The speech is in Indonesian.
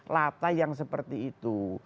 lata yang seperti itu